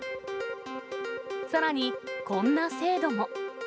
さらに、こんな制度も。